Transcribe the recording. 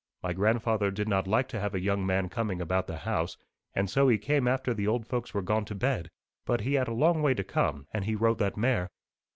My grandfather did not like to have a young man coming about the house, and so he came after the old folks were gone to bed. But he had a long way to come, and he rode that mare.